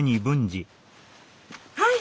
はい。